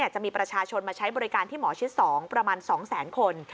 จะมีประชาชนมาใช้บริการที่หมอชิด๒ประมาณ๒แสนคน